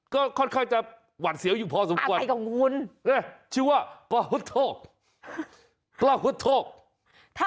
ก็ค่อนข้างจะหวั่นเสียวอยู่พอสมมุติ